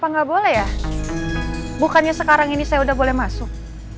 nggak boleh ya bukannya sekarang ini saya udah boleh masuk